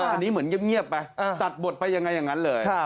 อันนี้เหมือนเงียบไปตัดบทไปยังไงอย่างนั้นเลย